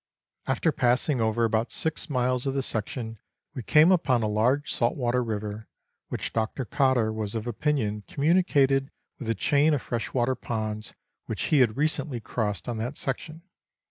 After passing over about six miles of the section we came upon a large saltwater river, which Dr. Cotter was of opinion communicated with a chain of freshwater ponds which he had recently crossed on that section.